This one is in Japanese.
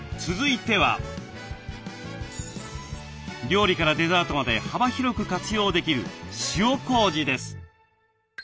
料理からデザートまで幅広く活用できる塩こうじです。